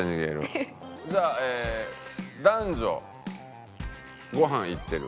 じゃあ男女ごはん行ってる。